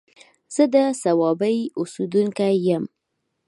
زه د صوابۍ اوسيدونکی يم